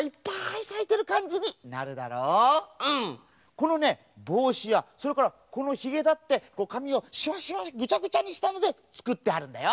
このねぼうしやそれからこのひげだってかみをしわしわぐちゃぐちゃにしたのでつくってあるんだよ！